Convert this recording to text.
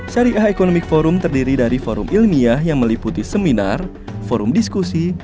syariah economic forum terdiri dari forum ilmiah yang meliputi seminar forum diskusi